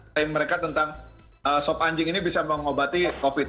klaim mereka tentang sop anjing ini bisa mengobati covid